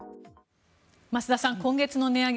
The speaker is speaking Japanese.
増田さん、今月の値上げ